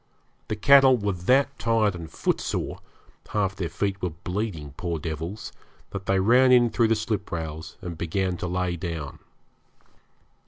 The cattle were that tired and footsore half their feet were bleeding, poor devils that they ran in through the sliprails and began to lay down.